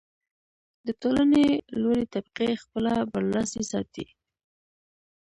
د ټولنې لوړې طبقې خپله برلاسي ساتي.